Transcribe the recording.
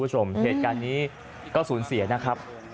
เหตุการณ์นี้ก็สูญเสียนะครับ